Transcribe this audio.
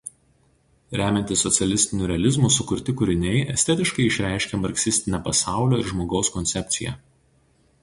Remiantis socialistiniu realizmu sukurti kūriniai estetiškai išreiškia marksistinę pasaulio ir žmogaus koncepciją.